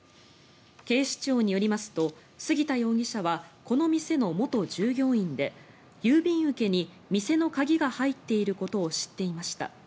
警視庁によりますと杉田容疑者はこの店の元従業員で郵便受けに店の鍵が入っていることを知っていました。